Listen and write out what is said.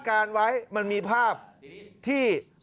การไว้มันมีภาพที่